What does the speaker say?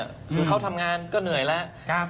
คือเขาทำงานก็เหนื่อยแล้ว